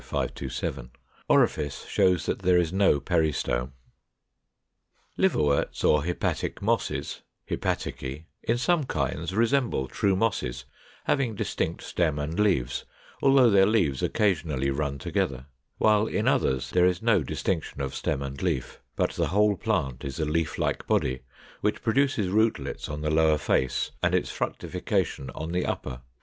527): orifice shows that there is no peristome.] 501. =Liverworts or Hepatic Mosses= (Hepaticæ) in some kinds resemble true Mosses, having distinct stem and leaves, although their leaves occasionally run together; while in others there is no distinction of stem and leaf, but the whole plant is a leaf like body, which produces rootlets on the lower face and its fructification on the upper.